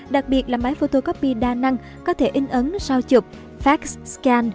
đặc biệt là máy photocopy đa năng có thể in ấn sao chụp fax scan